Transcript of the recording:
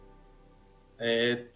えっと